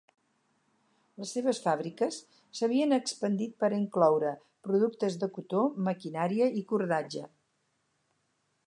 Les seves fàbriques s'havien expandit per a incloure, productes de cotó, maquinària i cordatge.